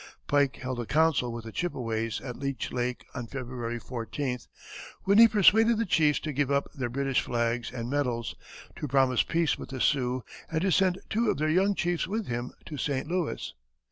Pike held a council with the Chippeways at Leech Lake on February 14th, when he persuaded the chiefs to give up their British flags and medals, to promise peace with the Sioux, and to send two of their young chiefs with him to St. Louis.